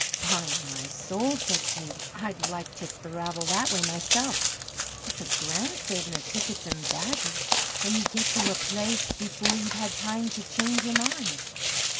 "By my soul," said Teig, "I'd like to thravel that way myself! It's a grand savin' of tickets an' baggage; an' ye get to a place before ye've had time to change your mind.